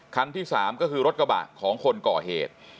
คันที่๓ก็คือรถกระบะของคนก่อเหตุ